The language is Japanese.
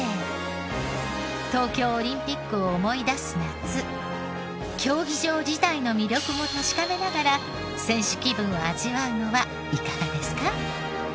東京オリンピックを思い出す夏競技場自体の魅力も確かめながら選手気分を味わうのはいかがですか？